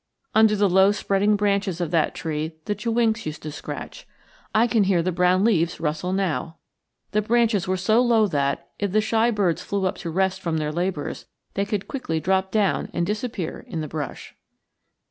Under the low spreading branches of that tree the chewinks used to scratch I can hear the brown leaves rustle now the branches were so low that, if the shy birds flew up to rest from their labors, they could quickly drop down and disappear in the brush.